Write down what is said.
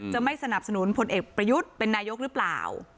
จะไม่สนับสนุนพลเอกประยุทธ์เป็นนายกหรือเปล่า